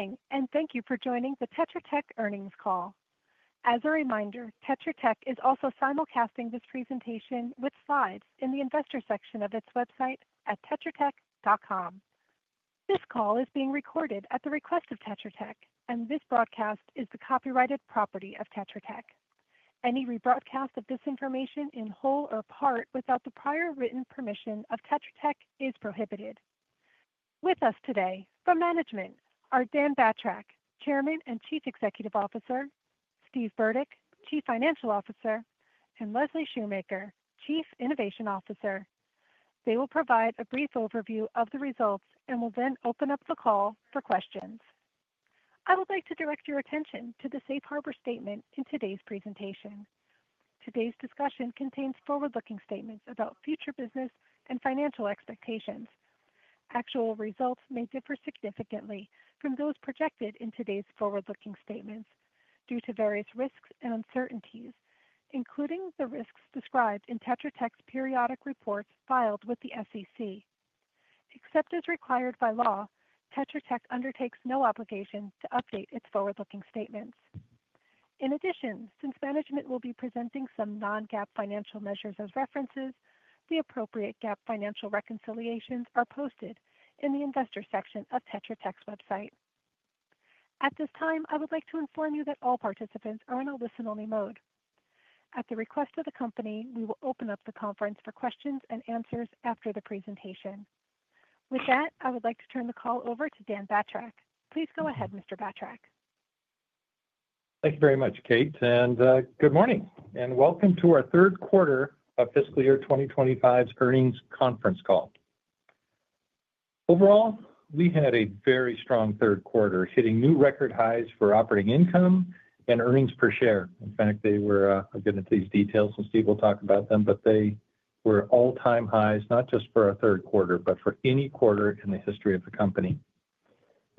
Good morning and thank you for joining the Tetra Tech earnings call. As a reminder, Tetra Tech is also simulcasting this presentation with slides in the investor section of its website at tetratech.com. This call is being recorded at the request of Tetra Tech, and this broadcast is the copyrighted property of Tetra Tech. Any rebroadcast of this information in whole or part without the prior written permission of Tetra Tech is prohibited. With us today from management are Dan Batrack, Chairman and Chief Executive Officer, Steve Burdick, Chief Financial Officer, and Leslie Shoemaker, Chief Innovation Officer. They will provide a brief overview of the results and will then open up the call for questions. I would like to direct your attention to the safe harbor statement in today's presentation. Today's discussion contains forward-looking statements about future business and financial expectations. Actual results may differ significantly from those projected in today's forward-looking statements due to various risks and uncertainties, including the risks described in Tetra Tech's periodic reports filed with the SEC. Except as required by law, Tetra Tech undertakes no obligation to update its forward-looking statements. In addition, since management will be presenting some non-GAAP financial measures as references, the appropriate GAAP financial reconciliations are posted in the investor section of Tetra Tech's website. At this time, I would like to inform you that all participants are in a listen-only mode. At the request of the company, we will open up the conference for questions and answers after the presentation. With that, I would like to turn the call over to Dan Batrack. Please go ahead, Mr. Batrack. Thank you very much, Kate, and good morning and welcome to our third quarter of fiscal year 2025's earnings conference call. Overall, we had a very strong third quarter, hitting new record highs for operating income and earnings per share. In fact, they were, I'll get into these details and Steve will talk about them, but they were all-time highs, not just for our third quarter, but for any quarter in the history of the company.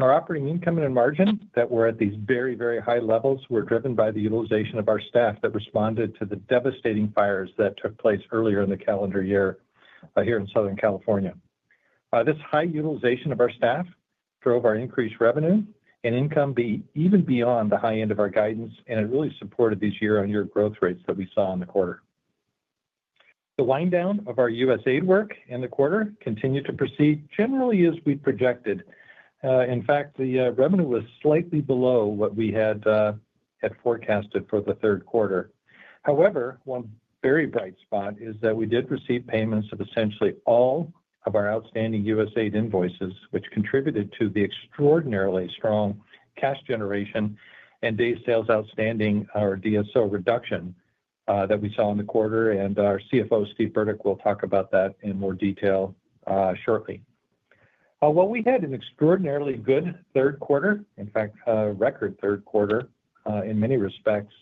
Our operating income and margin that were at these very, very high levels were driven by the utilization of our staff that responded to the devastating fires that took place earlier in the calendar year here in Southern California. This high utilization of our staff drove our increased revenue and income even beyond the high end of our guidance, and it really supported these year-on-year growth rates that we saw in the quarter. The wind-down of our USAID work in the quarter continued to proceed generally as we projected. In fact, the revenue was slightly below what we had forecasted for the third quarter. However, one very bright spot is that we did receive payments of essentially all of our outstanding USAID invoices, which contributed to the extraordinarily strong cash generation and day sales outstanding, our DSO reduction that we saw in the quarter, and our CFO, Steve Burdick, will talk about that in more detail shortly. While we had an extraordinarily good third quarter, in fact, a record third quarter in many respects,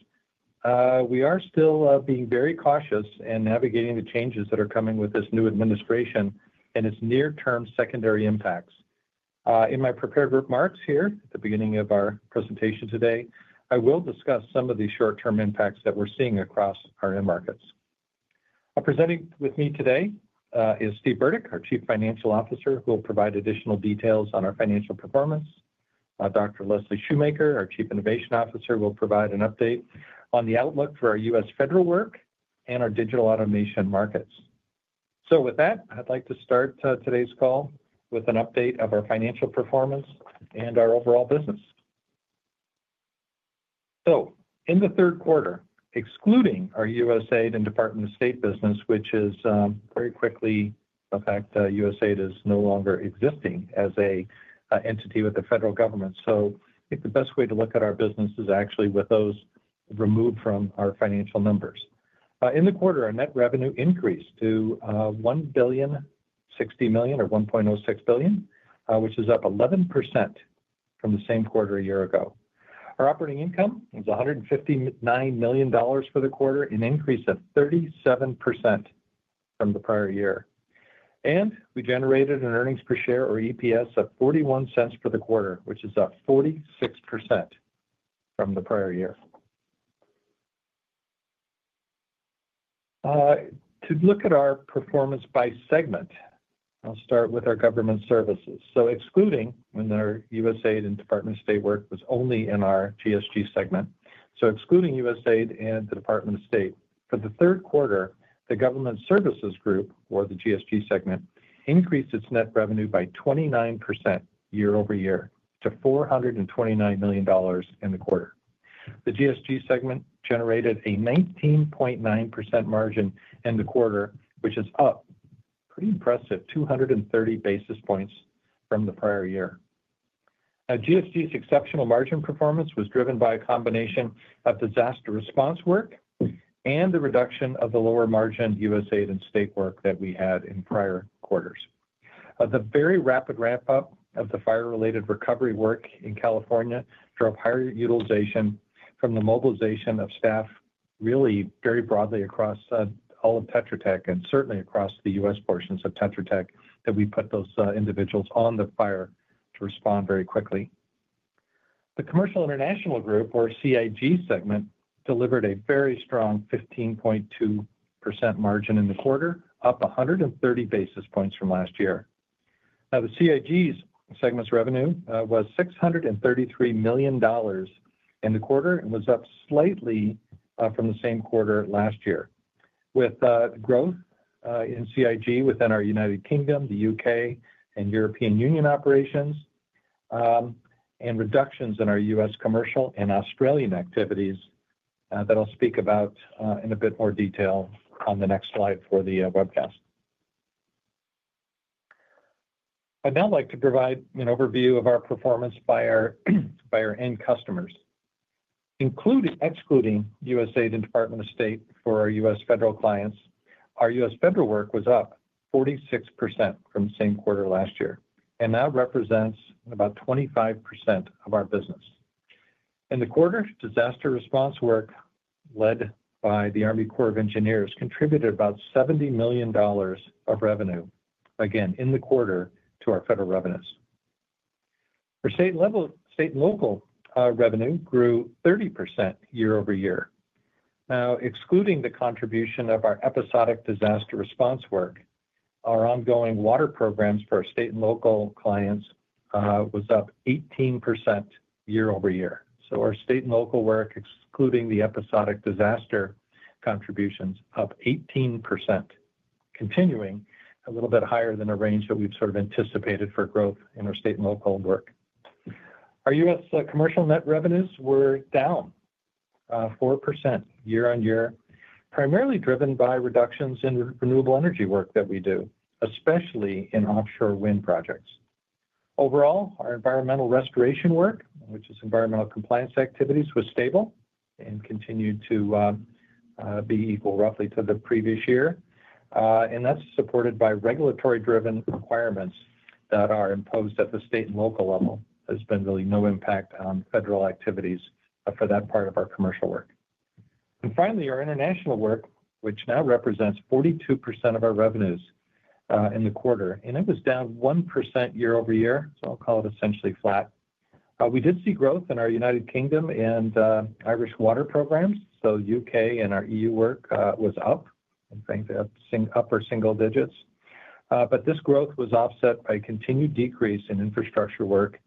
we are still being very cautious in navigating the changes that are coming with this new administration and its near-term secondary impacts. In my prepared remarks here at the beginning of our presentation today, I will discuss some of the short-term impacts that we're seeing across our end markets. Presenting with me today is Steve Burdick, our Chief Financial Officer, who will provide additional details on our financial performance. Dr. Leslie Shoemaker, our Chief Innovation Officer, will provide an update on the outlook for our U.S. federal work and our digital automation markets. With that, I'd like to start today's call with an update of our financial performance and our overall business. In the third quarter, excluding our USAID and Department of State business, which is very quickly in fact USAID is no longer existing as an entity with the federal government. I think the best way to look at our business is actually with those removed from our financial numbers. In the quarter, our net revenue increased to $1.06 billion, which is up 11% from the same quarter a year ago. Our operating income was $159 million for the quarter, an increase of 37% from the prior year. We generated an earnings per share or EPS of $0.41 for the quarter, which is up 46% from the prior year. To look at our performance by segment, I'll start with our government services. Excluding when our USAID and Department of State work was only in our GSG segment, so excluding USAID and the Department of State, for the third quarter, the Government Services Group or the GSG segment increased its net revenue by 29% year-over-year to $429 million in the quarter. The GSG segment generated a 19.9% margin in the quarter, which is up a pretty impressive 230 basis points from the prior year. GSG's exceptional margin performance was driven by a combination of disaster response work and the reduction of the lower margin USAID and Department of State work that we had in prior quarters. The very rapid ramp-up of the fire-related recovery work in California drove higher utilization from the mobilization of staff really very broadly across all of Tetra Tech and certainly across the U.S. portions of Tetra Tech that we put those individuals on the fire to respond very quickly. The Commercial International Group or CIG segment delivered a very strong 15.2% margin in the quarter, up 130 basis points from last year. The CIG segment's revenue was $633 million in the quarter and was up slightly from the same quarter last year, with growth in CIG within our United Kingdom, the UK, and European Union operations, and reductions in our U.S. commercial and Australian activities that I'll speak about in a bit more detail on the next slide for the webcast. I'd now like to provide an overview of our performance by our end customers. Excluding USAID and Department of State for our U.S. federal clients, our U.S. federal work was up 46% from the same quarter last year and now represents about 25% of our business. In the quarter, disaster response work led by the US Army Corps of Engineers contributed about $70 million of revenue, again in the quarter, to our federal revenues. Our state and local revenue grew 30% year-over-year. Excluding the contribution of our episodic disaster response work, our ongoing water programs for our state and local clients were up 18% year-over-year. Our state and local work, excluding the episodic disaster contributions, is up 18%, continuing a little bit higher than a range that we've sort of anticipated for growth in our state and local work. Our U.S. commercial net revenues were down 4% year on year, primarily driven by reductions in renewable energy work that we do, especially in offshore wind projects. Overall, our environmental restoration work, which is environmental compliance activities, was stable and continued to be equal roughly to the previous year. That's supported by regulatory-driven requirements that are imposed at the state and local level. There's been really no impact on federal activities for that part of our commercial work. Finally, our international work, which now represents 42% of our revenues in the quarter, was down 1% year-over-year, so I'll call it essentially flat. We did see growth in our United Kingdom and Irish water programs, so UK and our EU work was up, and I think they have upper single digits. This growth was offset by a continued decrease in infrastructure work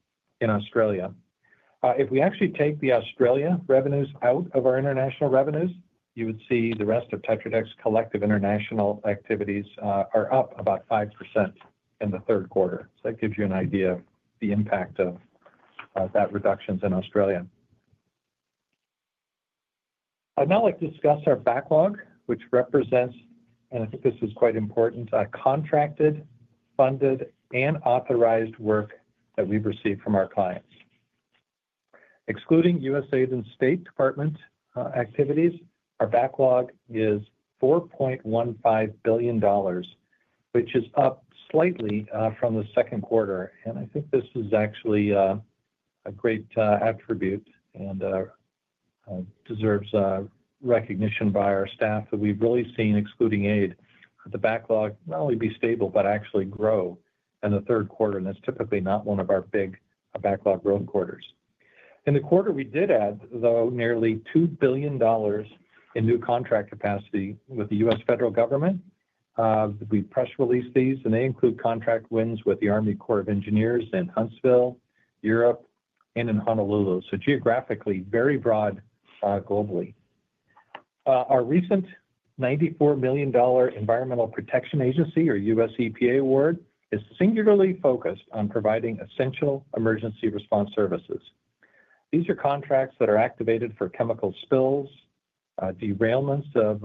in Australia. If we actually take the Australia revenues out of our international revenues, you would see the rest of Tetra Tech's collective international activities are up about 5% in the third quarter. That gives you an idea of the impact of that reduction in Australia. I'd now like to discuss our backlog, which represents, and I think this is quite important, contracted, funded, and authorized work that we've received from our clients. Excluding USAID and Department of State activities, our backlog is $4.15 billion, which is up slightly from the second quarter. I think this is actually a great attribute and deserves recognition by our staff that we've really seen, excluding aid, the backlog not only be stable but actually grow in the third quarter, and that's typically not one of our big backlog growth quarters. In the quarter, we did add nearly $2 billion in new contract capacity with the U.S. federal government. We press-released these, and they include contract wins with the US Army Corps of Engineers in Huntsville, Europe, and in Honolulu. Geographically, very broad globally. Our recent $94 million Environmental Protection Agency, or US EPA, award is singularly focused on providing essential emergency response services. These are contracts that are activated for chemical spills, derailments of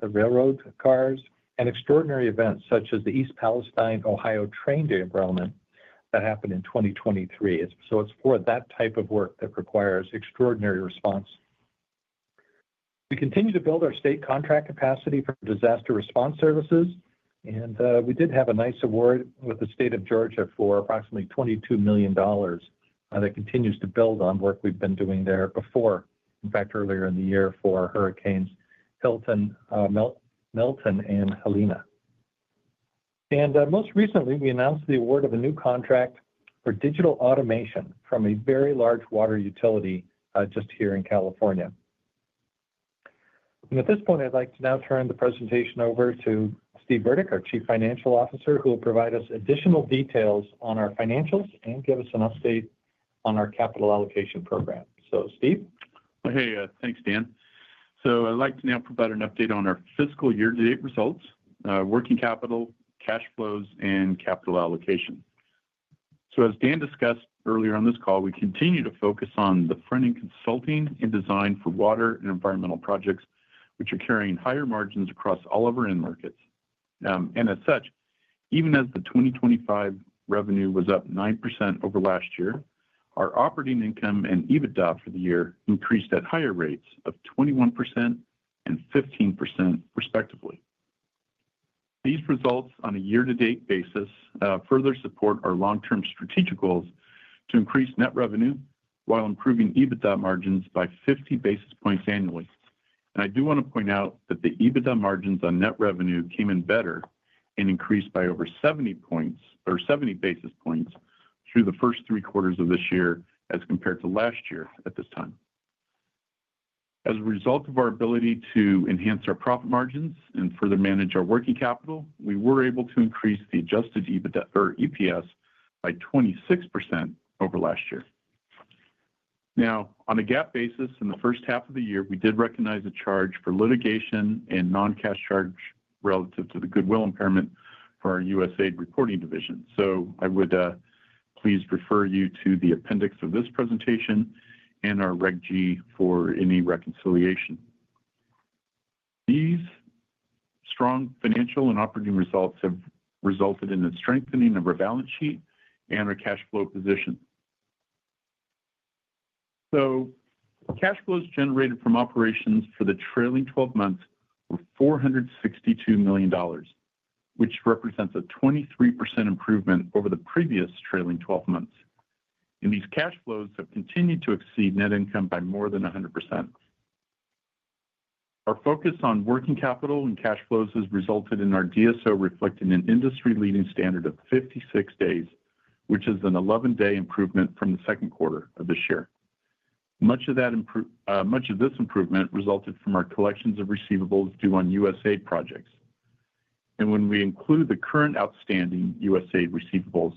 the railroad cars, and extraordinary events such as the East Palestine, Ohio train derailment that happened in 2023. It's for that type of work that requires extraordinary response. We continue to build our state contract capacity for disaster response services, and we did have a nice award with the state of Georgia for approximately $22 million that continues to build on work we've been doing there before. In fact, earlier in the year for Hurricanes Hilton, Milton, and Helena. Most recently, we announced the award of a new contract for digital automation from a very large water utility just here in California. At this point, I'd like to now turn the presentation over to Steve Burdick, our Chief Financial Officer, who will provide us additional details on our financials and give us an update on our capital allocation program. Steve. Hey, thanks, Dan. I'd like to now provide an update on our fiscal year-to-date results, working capital, cash flows, and capital allocation. As Dan discussed earlier on this call, we continue to focus on the front-end consulting and design for water and environmental projects, which are carrying higher margins across all of our end markets. As such, even as the 2025 revenue was up 9% over last year, our operating income and EBITDA for the year increased at higher rates of 21% and 15% respectively. These results on a year-to-date basis further support our long-term strategic goals to increase net revenue while improving EBITDA margins by 50 basis points annually. I do want to point out that the EBITDA margins on net revenue came in better and increased by over 70 basis points through the first three quarters of this year as compared to last year at this time. As a result of our ability to enhance our profit margins and further manage our working capital, we were able to increase the adjusted EBITDA or EPS by 26% over last year. On a GAAP basis, in the first half of the year, we did recognize a charge for litigation and non-cash charge relative to the goodwill impairment for our USAID reporting division. Please refer you to the appendix of this presentation and our Reg G for any reconciliation. These strong financial and operating results have resulted in a strengthening of our balance sheet and our cash flow position. Cash flows generated from operations for the trailing 12 months were $462 million, which represents a 23% improvement over the previous trailing 12 months. These cash flows have continued to exceed net income by more than 100%. Our focus on working capital and cash flows has resulted in our DSO reflecting an industry-leading standard of 56 days, which is an 11-day improvement from the second quarter of this year. Much of this improvement resulted from our collections of receivables due on USAID projects. When we include the current outstanding USAID receivables,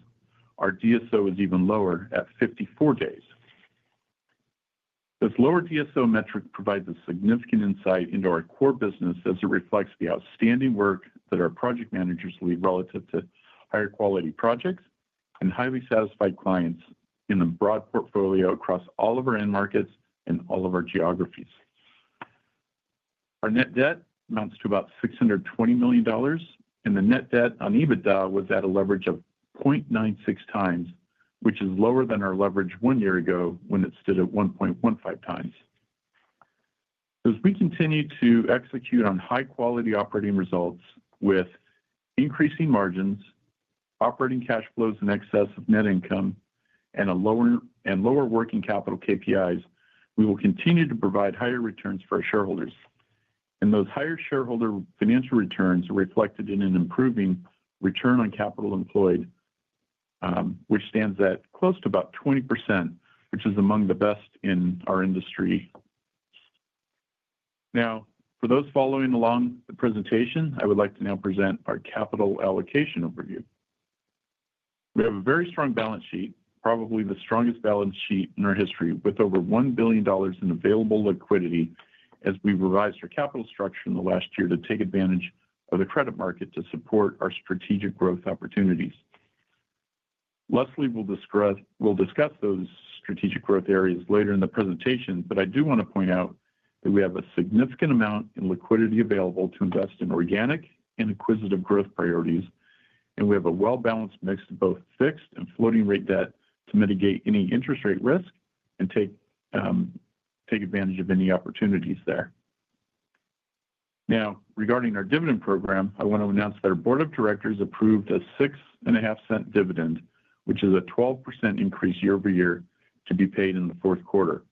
our DSO is even lower at 54 days. This lower DSO metric provides significant insight into our core business as it reflects the outstanding work that our project managers lead relative to higher quality projects and highly satisfied clients in the broad portfolio across all of our end markets and all of our geographies. Our net debt amounts to about $620 million, and the net debt/EBITDA was at a leverage of 0.96x, which is lower than our leverage one year ago when it stood at 1.15x. As we continue to execute on high-quality operating results with increasing margins, operating cash flows in excess of net income, and lower working capital KPIs, we will continue to provide higher returns for our shareholders. Those higher shareholder financial returns are reflected in an improving return on capital employed, which stands at close to about 20%, which is among the best in our industry. For those following along the presentation, I would like to now present our capital allocation overview. We have a very strong balance sheet, probably the strongest balance sheet in our history, with over $1 billion in available liquidity as we've revised our capital structure in the last year to take advantage of the credit market to support our strategic growth opportunities. Leslie will discuss those strategic growth areas later in the presentation, but I do want to point out that we have a significant amount in liquidity available to invest in organic and acquisitive growth priorities, and we have a well-balanced mix of both fixed and floating rate debt to mitigate any interest rate risk and take advantage of any opportunities there. Regarding our dividend program, I want to announce that our board of directors approved a 6.5% dividend, which is a 12% increase year-over-year to be paid in the fourth quarter.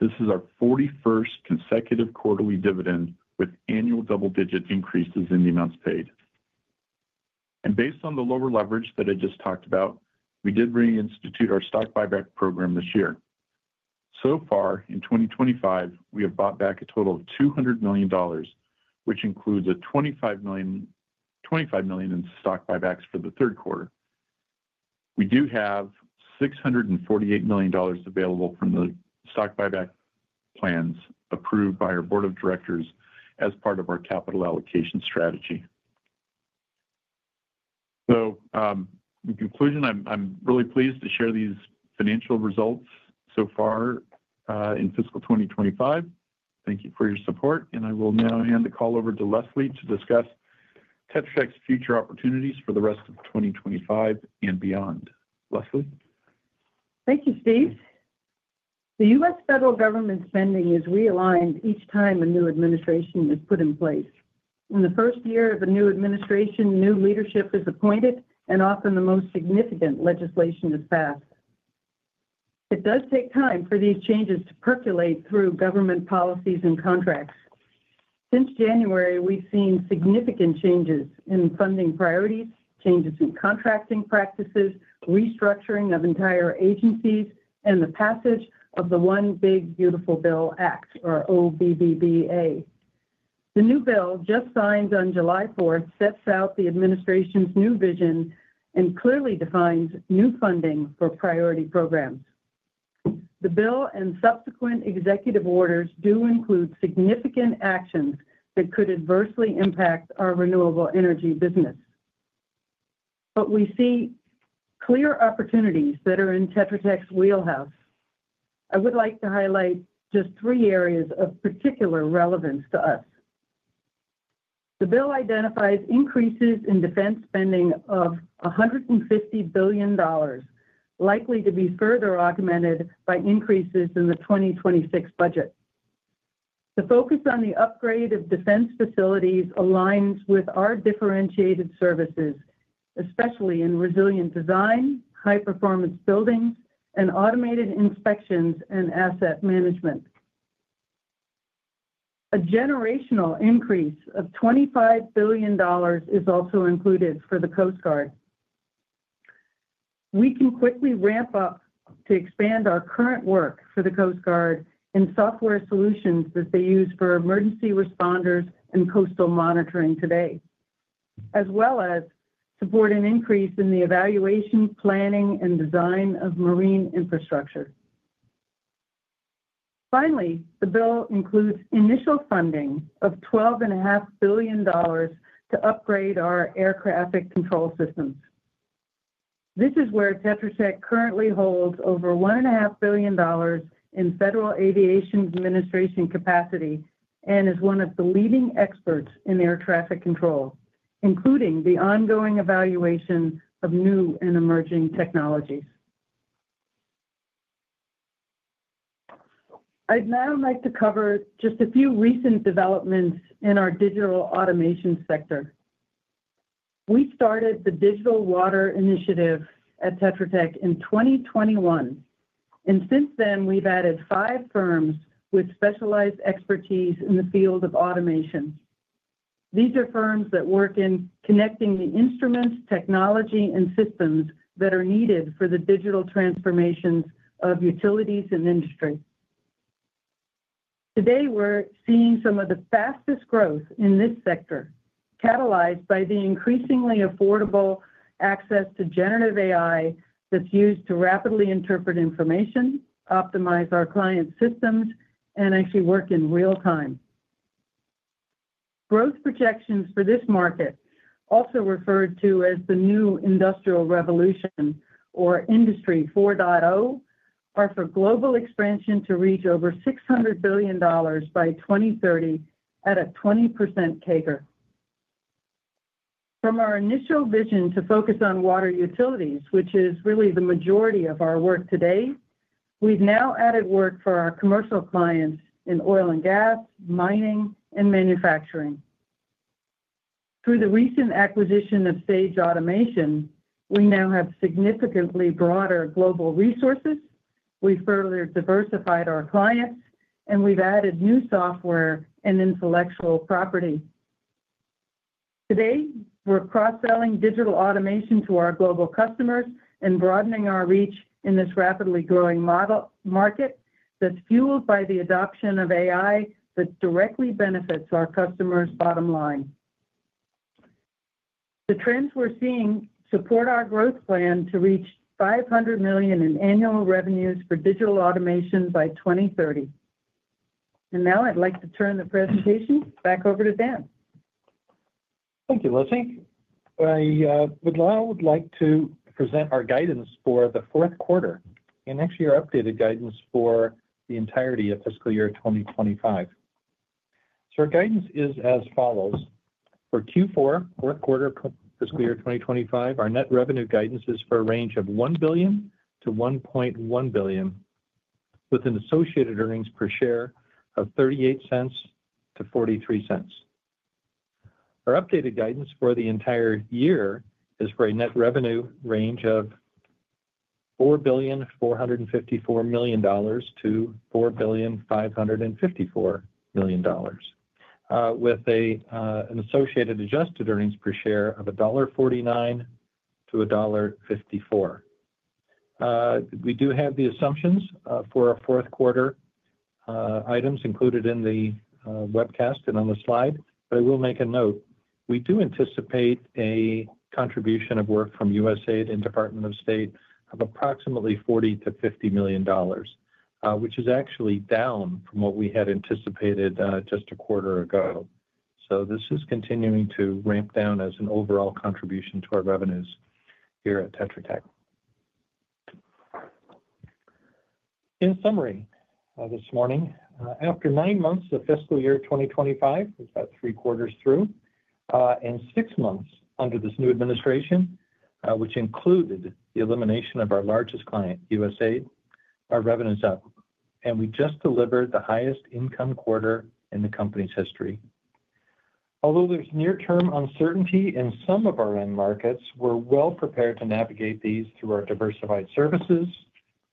This is our 41st consecutive quarterly dividend with annual double-digit increases in the amounts paid. Based on the lower leverage that I just talked about, we did reinstitute our stock buyback program this year. So far, in 2025, we have bought back a total of $200 million, which includes $25 million in stock buybacks for the third quarter. We have $648 million available from the stock buyback plans approved by our board of directors as part of our capital allocation strategy. In conclusion, I'm really pleased to share these financial results so far in fiscal 2025. Thank you for your support, and I will now hand the call over to Leslie to discuss Tetra Tech's future opportunities for the rest of 2025 and beyond. Leslie? Thank you, Steve. The U.S. federal government spending is realigned each time a new administration is put in place. In the first year of a new administration, new leadership is appointed, and often the most significant legislation is passed. It does take time for these changes to percolate through government policies and contracts. Since January, we've seen significant changes in funding priorities, changes in contracting practices, restructuring of entire agencies, and the passage of the One Big Beautiful Bill Act, or OBBBA. The new bill just signed on July 4th sets out the administration's new vision and clearly defines new funding for priority programs. The bill and subsequent executive orders do include significant actions that could adversely impact our renewable energy business. We see clear opportunities that are in Tetra Tech's wheelhouse. I would like to highlight just three areas of particular relevance to us. The bill identifies increases in defense spending of $150 billion, likely to be further augmented by increases in the 2026 budget. The focus on the upgrade of defense facilities aligns with our differentiated services, especially in resilient design, high-performance buildings, and automated inspections and asset management. A generational increase of $25 billion is also included for the Coast Guard. We can quickly ramp up to expand our current work for the Coast Guard in software solutions that they use for emergency responders and coastal monitoring today, as well as support an increase in the evaluation, planning, and design of marine infrastructure. Finally, the bill includes initial funding of $12.5 billion to upgrade our air traffic control systems. This is where Tetra Tech currently holds over $1.5 billion in Federal Aviation Administration capacity and is one of the leading experts in air traffic control, including the ongoing evaluation of new and emerging technologies. I'd now like to cover just a few recent developments in our digital automation sector. We started the Digital Water Initiative at Tetra Tech in 2021, and since then, we've added five firms with specialized expertise in the field of automation. These are firms that work in connecting the instruments, technology, and systems that are needed for the digital transformations of utilities and industry. Today, we're seeing some of the fastest growth in this sector, catalyzed by the increasingly affordable access to generative AI that's used to rapidly interpret information, optimize our client systems, and actually work in real time. Growth projections for this market, also referred to as the new industrial revolution or Industry 4.0, are for global expansion to reach over $600 billion by 2030 at a 20% CAGR. From our initial vision to focus on water utilities, which is really the majority of our work today, we've now added work for our commercial clients in oil and gas, mining, and manufacturing. Through the recent acquisition of Sage Automation, we now have significantly broader global resources, we've further diversified our clients, and we've added new software and intellectual property. Today, we're cross-selling digital automation to our global customers and broadening our reach in this rapidly growing market that's fueled by the adoption of AI that directly benefits our customers' bottom line. The trends we're seeing support our growth plan to reach $500 million in annual revenues for digital automation by 2030. I'd like to turn the presentation back over to Dan. Thank you, Leslie. I would now like to present our guidance for the fourth quarter and next year updated guidance for the entirety of fiscal year 2025. Our guidance is as follows. For Q4, fourth quarter fiscal year 2025, our net revenue guidance is for a range of $1 billion-$1.1 billion, with an associated earnings per share of $0.38-$0.43. Our updated guidance for the entire year is for a net revenue range of $4.454 billion-$4.554 billion, with an associated adjusted earnings per share of $1.49-$1.54. We do have the assumptions for our fourth quarter items included in the webcast and on the slide, but I will make a note. We do anticipate a contribution of work from USAID and Department of State of approximately $40 million-$50 million, which is actually down from what we had anticipated just a quarter ago. This is continuing to ramp down as an overall contribution to our revenues here at Tetra Tech. In summary, this morning, after nine months of fiscal year 2025, we've got three quarters through, and six months under this new administration, which included the elimination of our largest client, USAID, our revenues up, and we just delivered the highest income quarter in the company's history. Although there's near-term uncertainty in some of our end markets, we're well prepared to navigate these through our diversified services,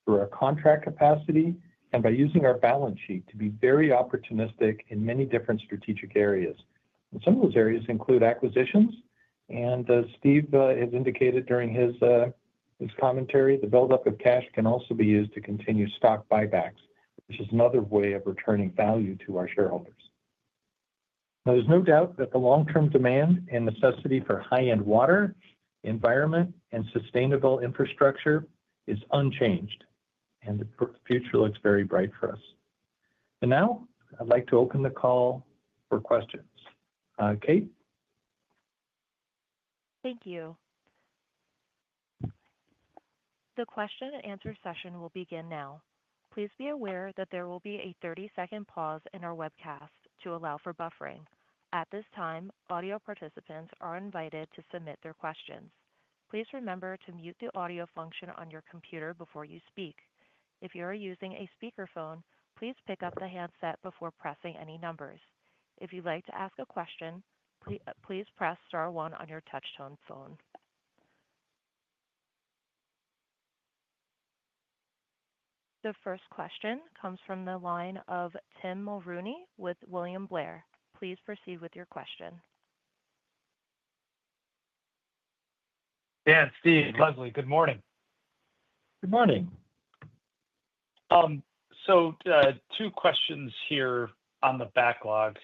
through our contract capacity, and by using our balance sheet to be very opportunistic in many different strategic areas. Some of those areas include acquisitions, and Steve has indicated during his commentary, the buildup of cash can also be used to continue stock buybacks, which is another way of returning value to our shareholders. There is no doubt that the long-term demand and necessity for high-end water, environment, and sustainable infrastructure is unchanged, and the future looks very bright for us. I would like to open the call for questions. Kate. Thank you. The question-and-answer session will begin now. Please be aware that there will be a 30-second pause in our webcast to allow for buffering. At this time, audio participants are invited to submit their questions. Please remember to mute the audio function on your computer before you speak. If you are using a speakerphone, please pick up the handset before pressing any numbers. If you'd like to ask a question, please press star one on your touchtone phone. The first question comes from the line of Tim Mulrooney with William Blair. Please proceed with your question. Dan, Steve, Leslie, good morning. Good morning. Two questions here on the backlog.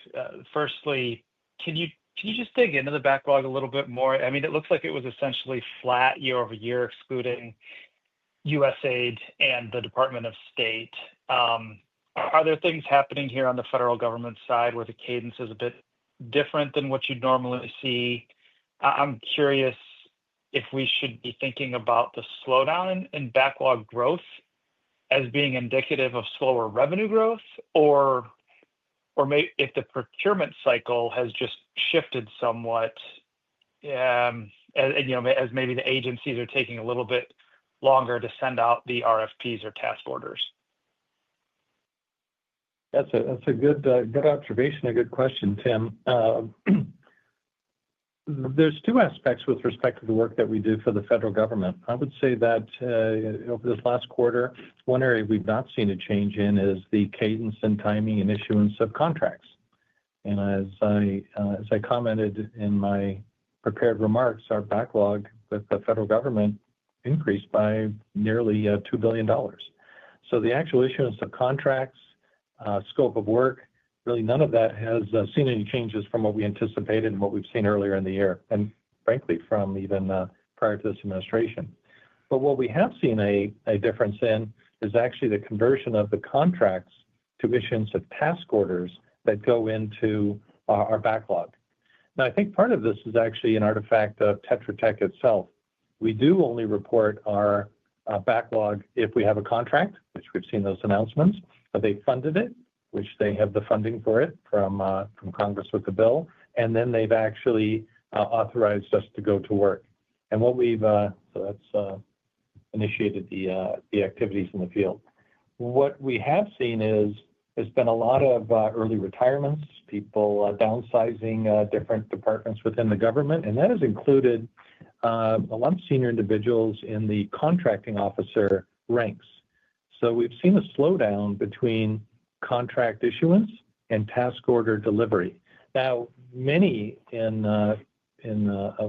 Firstly, can you just dig into the backlog a little bit more? I mean, it looks like it was essentially flat year-over-year, excluding USAID and the Department of State. Are there things happening here on the federal government side where the cadence is a bit different than what you'd normally see? I'm curious if we should be thinking about the slowdown in backlog growth as being indicative of slower revenue growth, or maybe if the procurement cycle has just shifted somewhat, as maybe the agencies are taking a little bit longer to send out the RFPs or task orders. That's a good observation and a good question, Tim. There's two aspects with respect to the work that we do for the federal government. I would say that over this last quarter, one area we've not seen a change in is the cadence and timing and issuance of contracts. As I commented in my prepared remarks, our backlog with the federal government increased by nearly $2 billion. The actual issuance of contracts, scope of work, really none of that has seen any changes from what we anticipated and what we've seen earlier in the year, and frankly, from even prior to this administration. What we have seen a difference in is actually the conversion of the contracts to issuance of task orders that go into our backlog. I think part of this is actually an artifact of Tetra Tech itself. We do only report our backlog if we have a contract, which we've seen those announcements, but they funded it, which they have the funding for it from Congress with the bill, and then they've actually authorized us to go to work. That's initiated the activities in the field. What we have seen is there's been a lot of early retirements, people downsizing different departments within the government, and that has included a lot of senior individuals in the contracting officer ranks. We've seen a slowdown between contract issuance and task order delivery. Many of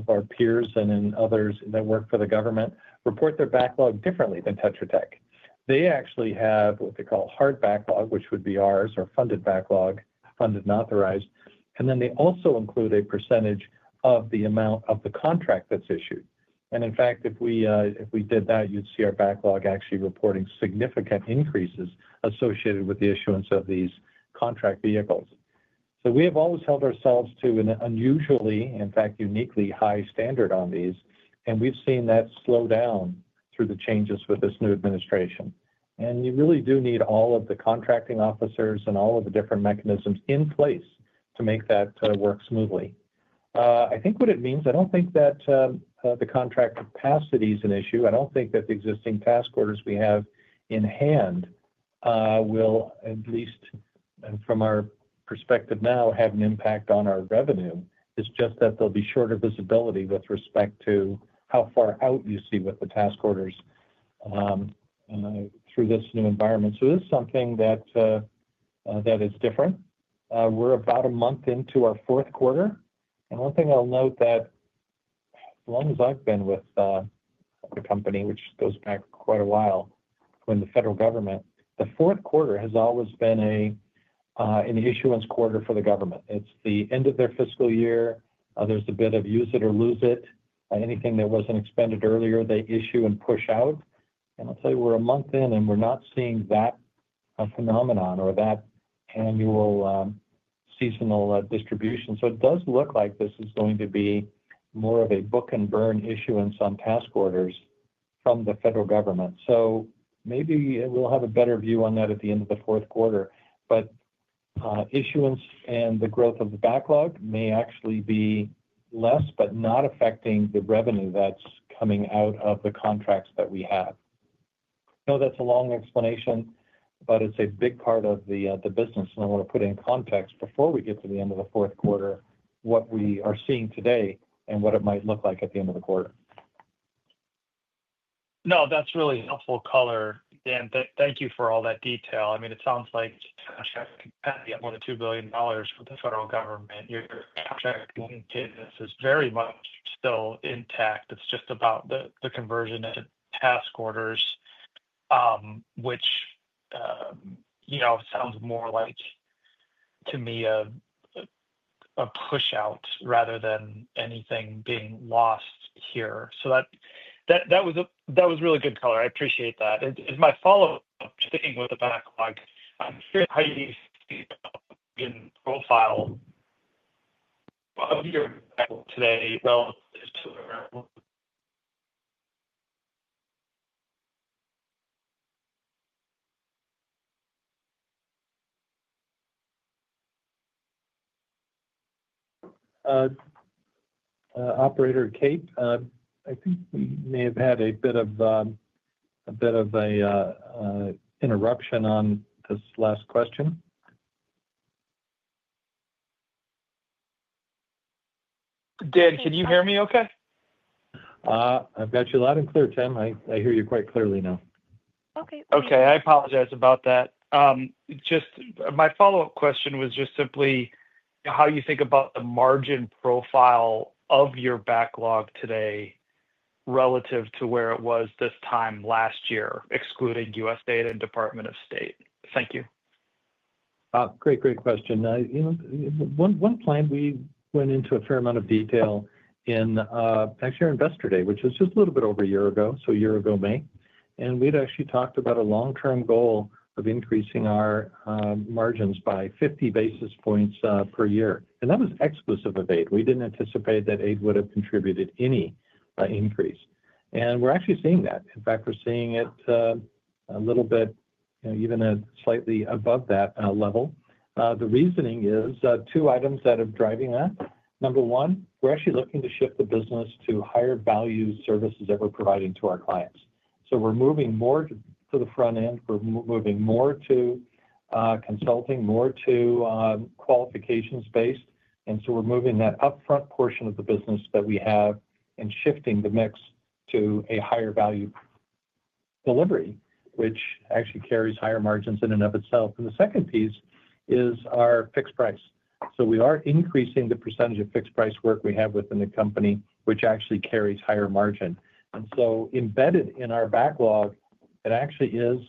our peers and others that work for the government report their backlog differently than Tetra Tech. They actually have what they call a hard backlog, which would be ours, our funded backlog, funded and authorized, and then they also include a percentage of the amount of the contract that's issued. In fact, if we did that, you'd see our backlog actually reporting significant increases associated with the issuance of these contract vehicles. We have always held ourselves to an unusually, in fact, uniquely high standard on these, and we've seen that slow down through the changes with this new administration. You really do need all of the contracting officers and all of the different mechanisms in place to make that work smoothly. I think what it means, I don't think that the contract capacity is an issue. I don't think that the existing task orders we have in hand will, at least from our perspective now, have an impact on our revenue. It's just that there'll be shorter visibility with respect to how far out you see with the task orders through this new environment. This is something that is different. We're about a month into our fourth quarter. One thing I'll note is that as long as I've been with the company, which goes back quite a while, when the federal government, the fourth quarter has always been an issuance quarter for the government. It's the end of their fiscal year. There's a bit of use it or lose it. Anything that wasn't expended earlier, they issue and push out. I'll tell you, we're a month in and we're not seeing that phenomenon or that annual seasonal distribution. It does look like this is going to be more of a book and burn issuance on task orders from the federal government. Maybe we'll have a better view on that at the end of the fourth quarter. Issuance and the growth of the backlog may actually be less, but not affecting the revenue that's coming out of the contracts that we have. I know that's a long explanation, but it's a big part of the business. I want to put in context before we get to the end of the fourth quarter what we are seeing today and what it might look like at the end of the quarter. No, that's really helpful color. Dan, thank you for all that detail. I mean, it sounds like you're not checking more than $2 billion for the federal government. Your task cadence is very much still intact. It's just about the conversion into task orders, which sounds more like, to me, a push-out rather than anything being lost here. That was a really good color. I appreciate that. As my follow-up thing with the backlog, I'm curious how you see the profile of your backlog today relative to. Operator, Kate, I think we may have had a bit of an interruption on this last question. Dan, can you hear me okay? I've got you loud and clear, Tim. I hear you quite clearly now. Okay. I apologize about that. Just my follow-up question was just simply how you think about the margin profile of your backlog today relative to where it was this time last year, excluding USAID and Department of State. Thank you. Great, great question. You know, one plan we went into a fair amount of detail in actually our investor day, which was just a little bit over a year ago, so a year ago May. We'd actually talked about a long-term goal of increasing our margins by 50 basis points per year. That was exclusive of aid. We didn't anticipate that aid would have contributed any increase. We're actually seeing that. In fact, we're seeing it a little bit, you know, even slightly above that level. The reasoning is two items that are driving that. Number one, we're actually looking to shift the business to higher value services that we're providing to our clients. We're moving more to the front end. We're moving more to consulting, more to qualifications-based. We're moving that upfront portion of the business that we have and shifting the mix to a higher value delivery, which actually carries higher margins in and of itself. The second piece is our fixed price. We are increasing the percentage of fixed price work we have within the company, which actually carries higher margin. Embedded in our backlog, it actually is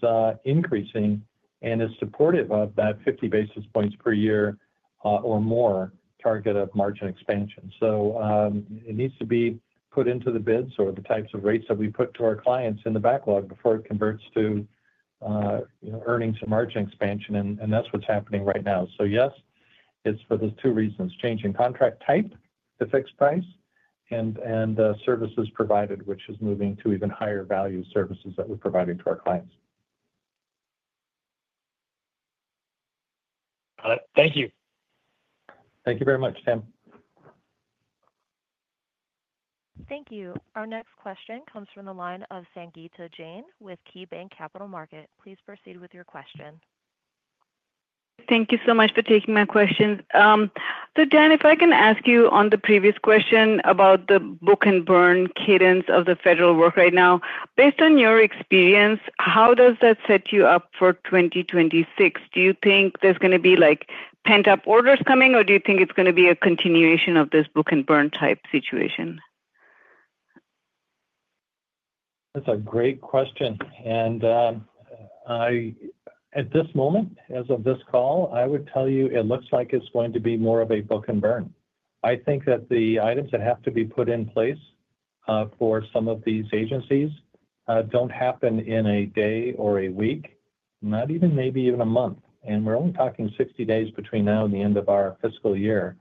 increasing and is supportive of that 50 basis points per year or more target of margin expansion. It needs to be put into the bids or the types of rates that we put to our clients in the backlog before it converts to earnings and margin expansion. That's what's happening right now. Yes, it's for those two reasons: changing contract type to fixed price and services provided, which is moving to even higher value services that we're providing to our clients. Got it. Thank you. Thank you very much, Tim. Thank you. Our next question comes from the line of Sangita Jain with KeyBanc Capital Markets. Please proceed with your question. Thank you so much for taking my question. Dan, if I can ask you on the previous question about the book and burn cadence of the federal work right now, based on your experience, how does that set you up for 2026? Do you think there's going to be pent-up orders coming, or do you think it's going to be a continuation of this book and burn type situation? That's a great question. At this moment, as of this call, I would tell you it looks like it's going to be more of a book and burn. I think that the items that have to be put in place for some of these agencies don't happen in a day or a week, not even maybe even a month. We're only talking 60 days between now and the end of our fiscal year.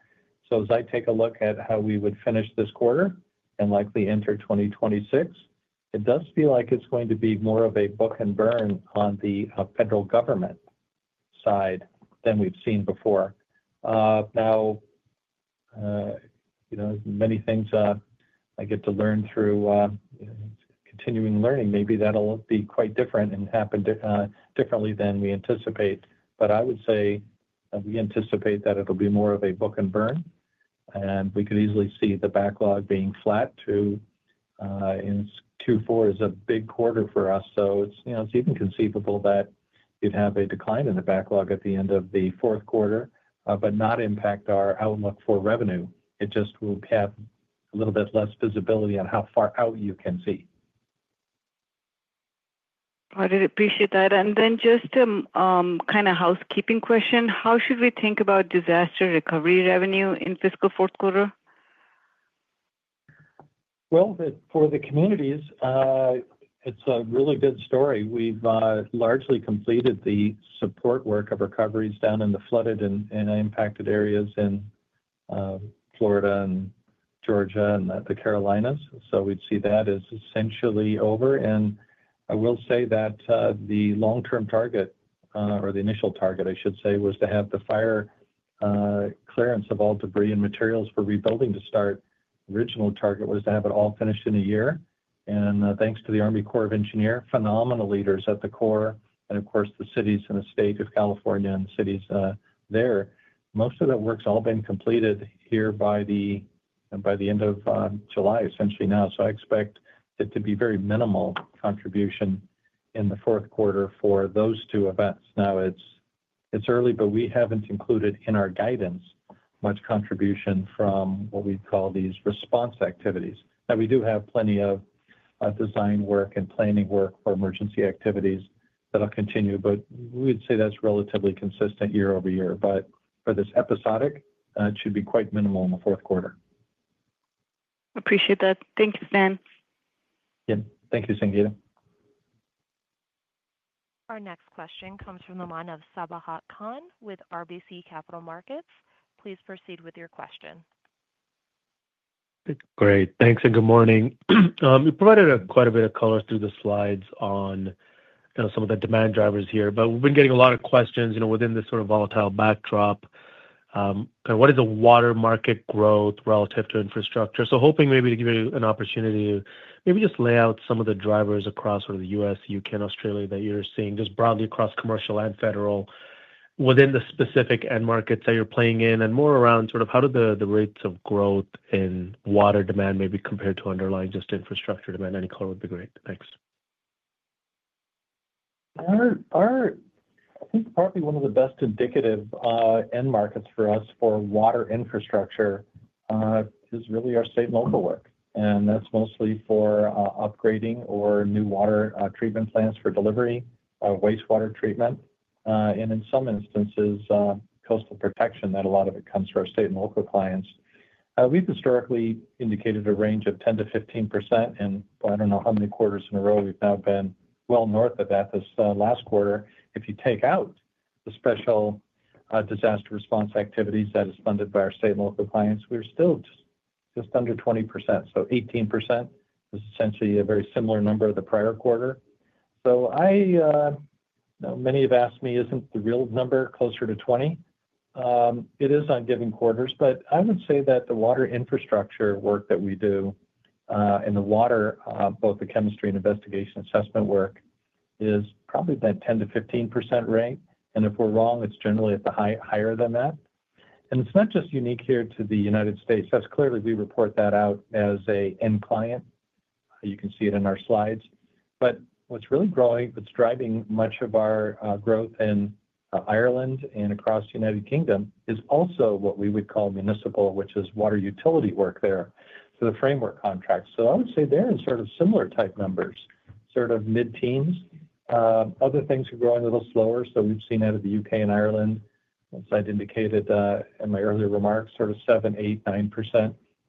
As I take a look at how we would finish this quarter and likely enter 2026, it does feel like it's going to be more of a book and burn on the federal government side than we've seen before. As many things I get to learn through continuing learning, maybe that'll be quite different and happen differently than we anticipate. I would say we anticipate that it'll be more of a book and burn. We could easily see the backlog being flat to Q4 is a big quarter for us. It's even conceivable that you'd have a decline in the backlog at the end of the fourth quarter, but not impact our outlook for revenue. It just will have a little bit less visibility on how far out you can see. I did appreciate that. Just a kind of housekeeping question. How should we think about disaster recovery revenue in fiscal fourth quarter? For the communities, it's a really good story. We've largely completed the support work of recoveries down in the flooded and impacted areas in Florida, Georgia, and the Carolinas. We'd see that as essentially over. I will say that the long-term target, or the initial target, I should say, was to have the fire clearance of all debris and materials for rebuilding to start. The original target was to have it all finished in a year. Thanks to the US Army Corps of Engineers, phenomenal leaders at the Corps, and of course, the cities and the State of California and the cities there, most of that work's all been completed here by the end of July, essentially now. I expect it to be very minimal contribution in the fourth quarter for those two events. It's early, but we haven't included in our guidance much contribution from what we'd call these response activities. We do have plenty of design work and planning work for emergency activities that'll continue, but we'd say that's relatively consistent year-over-year. For this episodic, it should be quite minimal in the fourth quarter. Appreciate that. Thank you, Dan. Yeah, thank you, Sangita. Our next question comes from the line of Sabahat Khan with RBC Capital Markets. Please proceed with your question. Great. Thanks, and good morning. You provided quite a bit of color through the slides on some of the demand drivers here, but we've been getting a lot of questions within this sort of volatile backdrop. Kind of what is the water market growth relative to infrastructure? Hoping maybe to give you an opportunity to maybe just lay out some of the drivers across the U.S., UK, and Australia that you're seeing broadly across commercial and federal within the specific end markets that you're playing in and more around how do the rates of growth in water demand maybe compare to underlying infrastructure demand? Any color would be great. Thanks. I think partly one of the best indicative end markets for us for water infrastructure is really our state and local work. That's mostly for upgrading or new water treatment plants for delivery, wastewater treatment, and in some instances, coastal protection. A lot of it comes from our state and local clients. We've historically indicated a range of 10%-15%, and I don't know how many quarters in a row we've now been well north of that this last quarter. If you take out the special disaster response activities that are funded by our state and local clients, we're still just under 20%. So 18% is essentially a very similar number to the prior quarter. I know many have asked me, isn't the real number closer to 20%? It is on given quarters, but I would say that the water infrastructure work that we do and the water, both the chemistry and investigation assessment work, is probably that 10%-15% range. If we're wrong, it's generally at the higher than that. It's not just unique here to the United States. We report that out as an end client. You can see it in our slides. What's really growing, what's driving much of our growth in Ireland and across the United Kingdom is also what we would call municipal, which is water utility work there. The framework contracts are in sort of similar type numbers, sort of mid-teens. Other things are growing a little slower. We've seen out of the UK and Ireland, as I'd indicated in my earlier remarks, sort of 7%, 8%,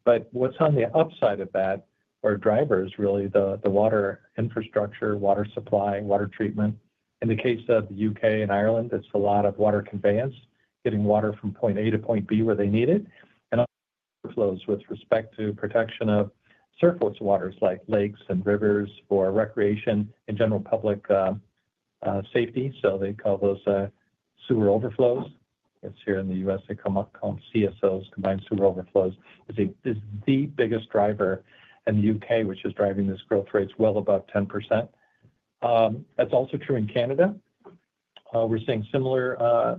9%. What's on the upside of that are drivers, really the water infrastructure, water supply, water treatment. In the case of the UK and Ireland, it's a lot of water conveyance, getting water from point A to point B where they need it, and overflows with respect to protection of surface waters like lakes and rivers for recreation and general public safety. They call those sewer overflows. Here in the US, they call them CSOs, combined sewer overflows, which is the biggest driver in the UK, driving this growth rate well above 10%. That's also true in Canada. We're seeing similar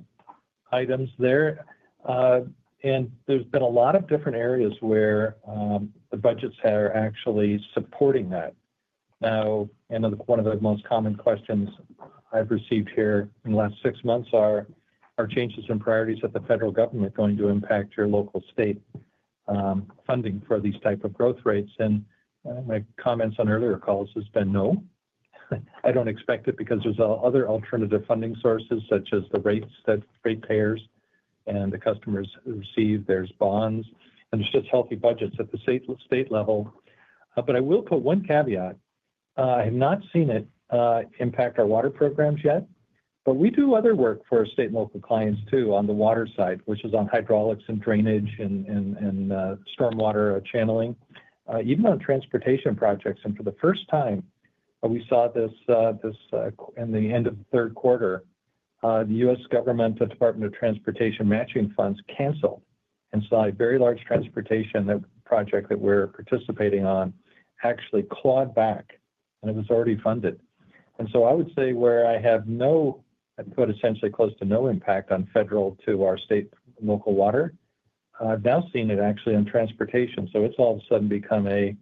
items there, and there's been a lot of different areas where the budgets are actually supporting that. One of the most common questions I've received here in the last six months is, are changes in priorities at the federal government going to impact your local state funding for these types of growth rates? My comments on earlier calls have been no. I don't expect it because there's other alternative funding sources such as the rates that rate payers and the customers receive. There's bonds, and there's just healthy budgets at the state level. I will put one caveat. I have not seen it impact our water programs yet, but we do other work for state and local clients too on the water side, which is on hydraulics and drainage and stormwater channeling, even on transportation projects. For the first time, we saw this in the end of the third quarter. The U.S. government, the Department of Transportation matching funds canceled and saw a very large transportation project that we're participating in actually clawed back, and it was already funded. I would say where I have no, I put essentially close to no impact on federal to our state and local water, I've now seen it actually on transportation. It has all of a sudden become a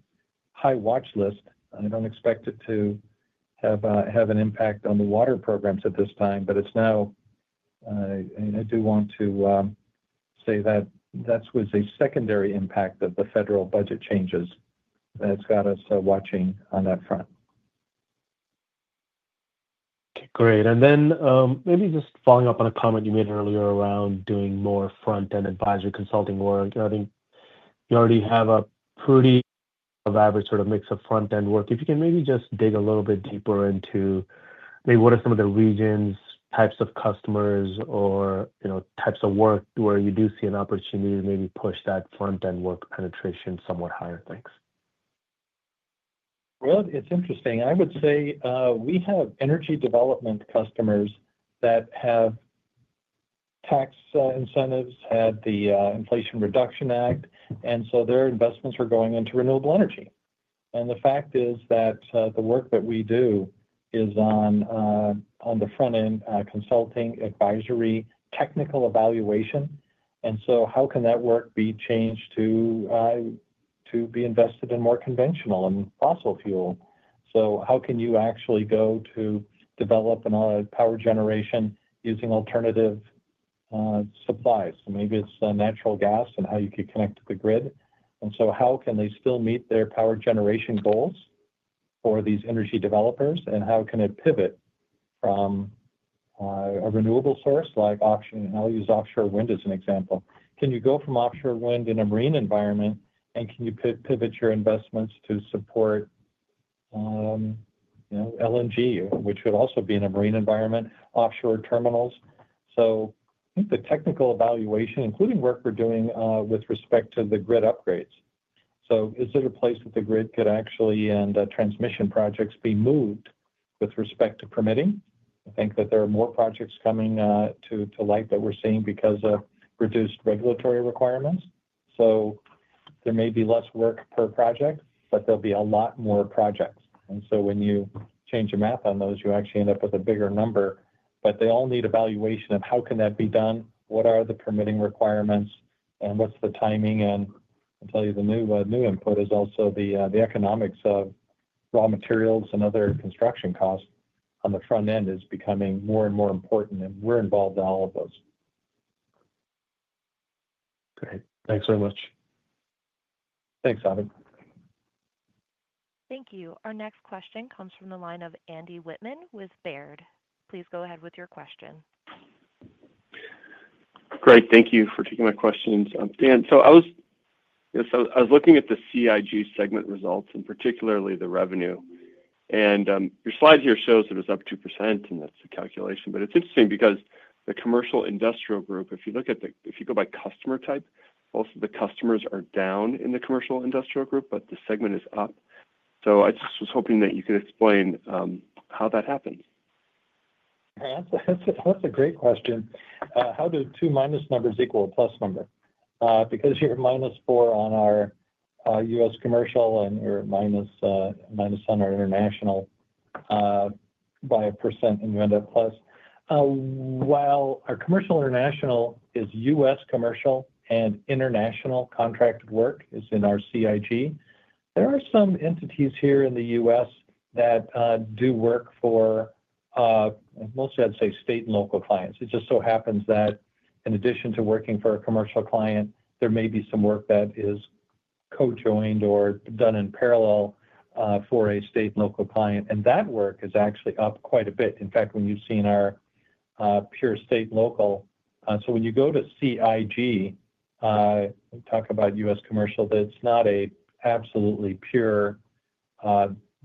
high watch list. I don't expect it to have an impact on the water programs at this time, but it's now, and I do want to say that that was a secondary impact of the federal budget changes that's got us watching on that front. Okay, great. Maybe just following up on a comment you made earlier around doing more front-end advisory consulting work. I think you already have a pretty vibrant sort of mix of front-end work. If you can maybe just dig a little bit deeper into maybe what are some of the regions, types of customers, or types of work where you do see an opportunity to maybe push that front-end work penetration somewhat higher? Thanks. It's interesting. I would say we have energy development customers that have tax incentives, had the Inflation Reduction Act, and so their investments are going into renewable energy. The fact is that the work that we do is on the front-end consulting, advisory, technical evaluation. How can that work be changed to be invested in more conventional and fossil fuel? How can you actually go to develop a power generation using alternative supplies? Maybe it's natural gas and how you can connect to the grid. How can they still meet their power generation goals for these energy developers? How can it pivot from a renewable source like offshore? I'll use offshore wind as an example. Can you go from offshore wind in a marine environment, and can you pivot your investments to support LNG, which would also be in a marine environment, offshore terminals? I think the technical evaluation, including work we're doing with respect to the grid upgrades. Is it a place that the grid could actually and transmission projects be moved with respect to permitting? I think that there are more projects coming to light that we're seeing because of reduced regulatory requirements. There may be less work per project, but there'll be a lot more projects. When you change your math on those, you actually end up with a bigger number. They all need evaluation of how can that be done, what are the permitting requirements, and what's the timing? The new input is also the economics of raw materials and other construction costs on the front end is becoming more and more important, and we're involved in all of those. Okay, thanks very much. Thanks, Avid. Thank you. Our next question comes from the line of Andy Wittmann with Baird. Please go ahead with your question. Great. Thank you for taking my questions. Dan, I was looking at the CIG segment results and particularly the revenue. Your slide here shows that it was up 2%, and that's the calculation. It's interesting because the Commercial International Group, if you look at the, if you go by customer type, most of the customers are down in the Commercial International Group, but the segment is up. I just was hoping that you could explain how that happens. That's a great question. How do two minus numbers equal a plus number? Because you're minus 4 on our U.S. commercial and you're minus on our international by a percent, and you end up plus. While our commercial international is U.S. commercial and international contracted work is in our CIG, there are some entities here in the U.S. that do work for mostly, I'd say, state and local clients. It just so happens that in addition to working for a commercial client, there may be some work that is co-joined or done in parallel for a state and local client. That work is actually up quite a bit. In fact, when you've seen our pure state and local, when you go to CIG, we talk about U.S. commercial, that's not an absolutely pure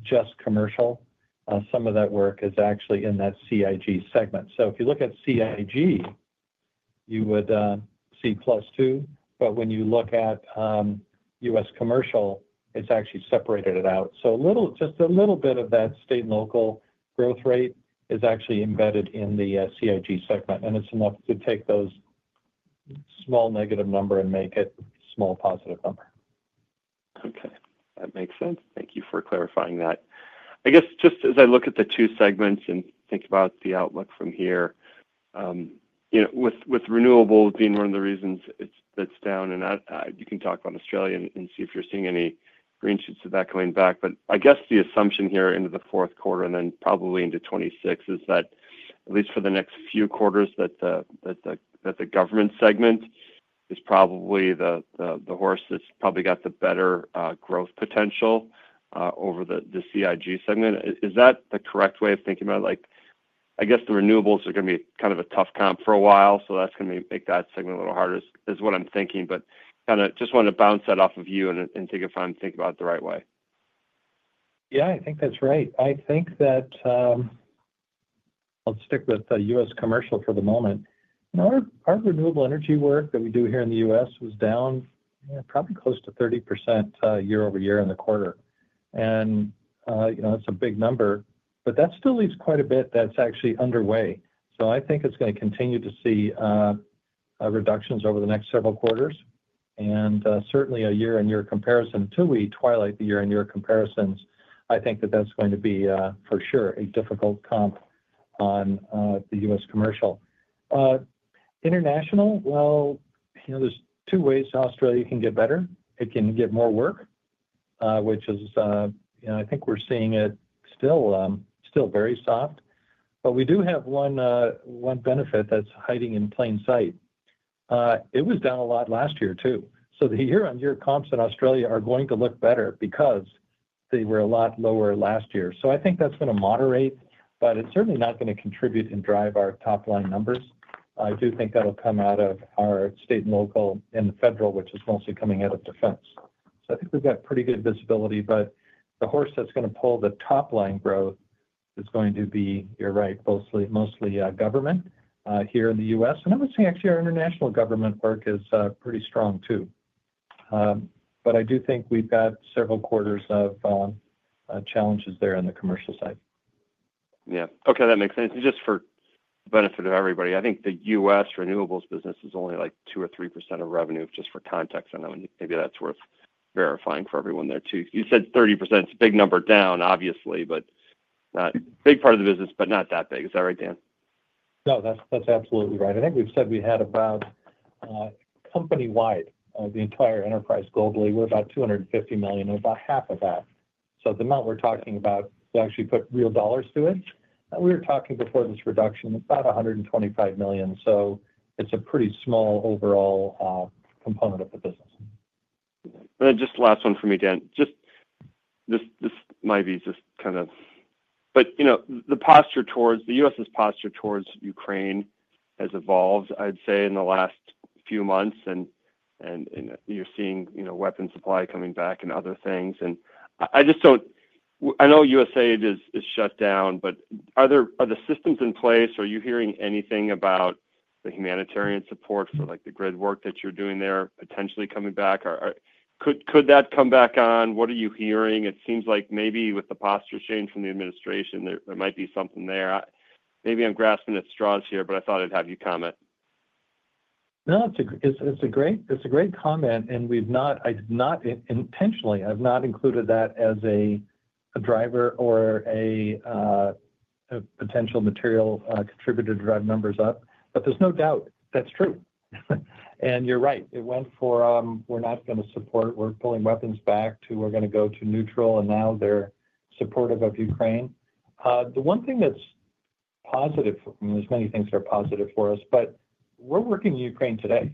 just commercial. Some of that work is actually in that CIG segment. If you look at CIG, you would see +2%. When you look at U.S. commercial, it's actually separated out. Just a little bit of that state and local growth rate is actually embedded in the CIG segment, and it's enough to take those small negative numbers and make it a small positive number. Okay. That makes sense. Thank you for clarifying that. I guess just as I look at the two segments and think about the outlook from here, with renewables being one of the reasons that's down, and you can talk about Australia and see if you're seeing any green shoots of that coming back. I guess the assumption here into the fourth quarter and then probably into 2026 is that at least for the next few quarters, the government segment is probably the horse that's probably got the better growth potential over the CIG segment. Is that the correct way of thinking about it? I guess the renewables are going to be kind of a tough comp for a while, so that's going to make that segment a little harder is what I'm thinking. Kind of just wanted to bounce that off of you and take your time to think about it the right way. Yeah, I think that's right. I think that I'll stick with the U.S. commercial for the moment. You know, our renewable energy work that we do here in the U.S. was down probably close to 30% year-over-year in the quarter, and you know, that's a big number. That still leaves quite a bit that's actually underway. I think it's going to continue to see reductions over the next several quarters. Certainly, a year-on-year comparison until we twilight the year-on-year comparisons, I think that that's going to be for sure a difficult comp on the U.S. commercial. International, there are two ways Australia can get better. It can get more work, which is, you know, I think we're seeing it still very soft. We do have one benefit that's hiding in plain sight. It was down a lot last year too, so the year-on-year comps in Australia are going to look better because they were a lot lower last year. I think that's going to moderate, but it's certainly not going to contribute and drive our top-line numbers. I do think that'll come out of our state and local and the federal, which is mostly coming out of defense. I think we've got pretty good visibility, but the horse that's going to pull the top-line growth is going to be, you're right, mostly government here in the U.S. I would say actually our international government work is pretty strong too. I do think we've got several quarters of challenges there in the commercial side. Okay, that makes sense. Just for the benefit of everybody, I think the U.S. renewables business is only like 2% or 3% of revenue, just for context. I know maybe that's worth verifying for everyone there too. You said 30%. It's a big number down, obviously, but not a big part of the business, but not that big. Is that right, Dan? No, that's absolutely right. I think we've said we had about company-wide, the entire enterprise globally, we're about $250 million, about half of that. The amount we're talking about, to actually put real dollars to it, we were talking before this reduction about $125 million. It's a pretty small overall component of the business. Just the last one for me, Dan. This might be just kind of, but you know, the posture towards the U.S.'s posture towards Ukraine has evolved, I'd say, in the last few months. You're seeing, you know, weapons supply coming back and other things. I just don't, I know USAID is shut down, but are the systems in place? Are you hearing anything about the humanitarian support for like the grid work that you're doing there potentially coming back? Could that come back on? What are you hearing? It seems like maybe with the posture change from the administration, there might be something there. Maybe I'm grasping at straws here, but I thought I'd have you comment. No, it's a great comment. We've not, I did not intentionally, I've not included that as a driver or a potential material contributor to drive numbers up. There's no doubt that's true. You're right. It went from we're not going to support, we're pulling weapons back to we're going to go to neutral, and now they're supportive of Ukraine. The one thing that's positive, and there are many things that are positive for us, is we're working in Ukraine today.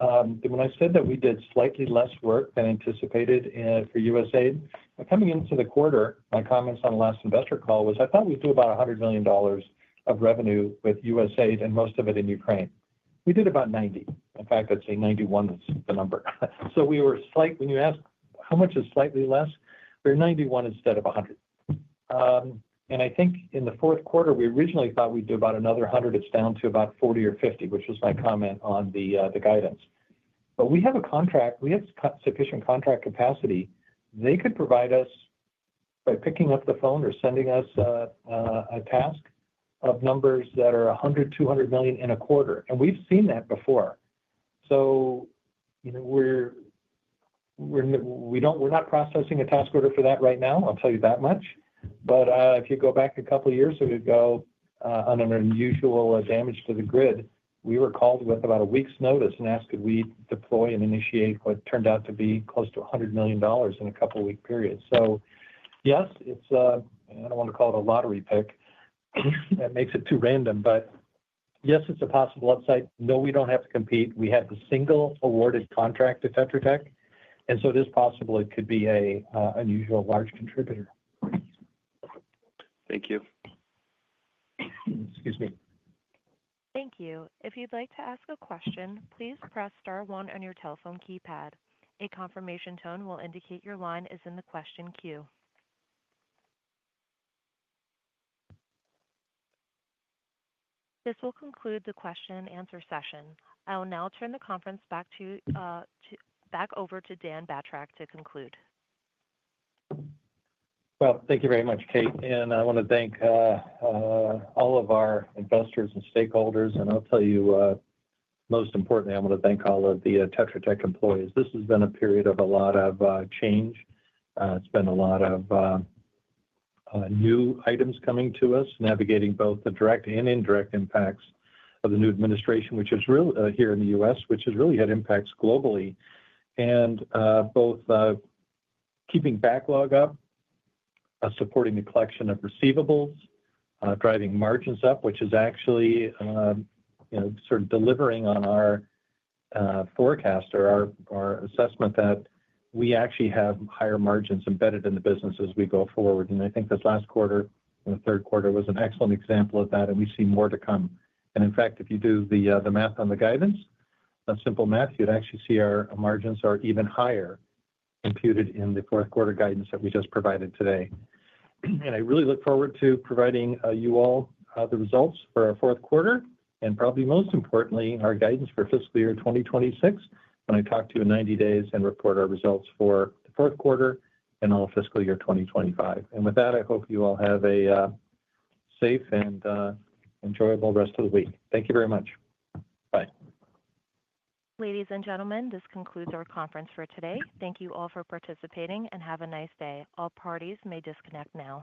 When I said that we did slightly less work than anticipated for USAID coming into the quarter, my comments on the last investor call were I thought we'd do about $100 million of revenue with USAID and most of it in Ukraine. We did about $90 million. In fact, I'd say $91 million is the number. When you ask how much is slightly less, we're $91 million instead of $100 million. I think in the fourth quarter, we originally thought we'd do about another $100 million. It's down to about $40 million or $50 million, which was my comment on the guidance. We have a contract, we have sufficient contract capacity. They could provide us, by picking up the phone or sending us a task, numbers that are $100 million, $200 million in a quarter. We've seen that before. We're not processing a task order for that right now, I'll tell you that much. If you go back a couple of years ago on an unusual damage to the grid, we were called with about a week's notice and asked could we deploy and initiate what turned out to be close to $100 million in a couple of week periods. I don't want to call it a lottery pick. That makes it too random, but yes, it's a possible upside. We don't have to compete. We had the single awarded contract to Tetra Tech. It is possible it could be an unusual large contributor. Thank you. Excuse me. Thank you. If you'd like to ask a question, please press star one on your telephone keypad. A confirmation tone will indicate your line is in the question queue. This will conclude the question-and-answer session. I will now turn the conference back over to Dan Batrack to conclude. Thank you very much, Kate. I want to thank all of our investors and stakeholders. Most importantly, I want to thank all of the Tetra Tech employees. This has been a period of a lot of change. It's been a lot of new items coming to us, navigating both the direct and indirect impacts of the new administration, which is really here in the U.S., which has really had impacts globally. Both keeping backlog up, supporting the collection of receivables, driving margins up, which is actually, you know, sort of delivering on our forecast or our assessment that we actually have higher margins embedded in the business as we go forward. I think this last quarter and the third quarter was an excellent example of that, and we see more to come. In fact, if you do the math on the guidance, a simple math, you'd actually see our margins are even higher computed in the fourth quarter guidance that we just provided today. I really look forward to providing you all the results for our fourth quarter, and probably most importantly, our guidance for fiscal year 2026 when I talk to you in 90 days and report our results for the fourth quarter and all of fiscal year 2025. I hope you all have a safe and enjoyable rest of the week. Thank you very much. Bye. Ladies and gentlemen, this concludes our conference for today. Thank you all for participating and have a nice day. All parties may disconnect now.